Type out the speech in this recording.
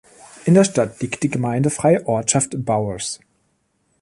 In der Stadt liegt die gemeindefreie Ortschaft Bowers.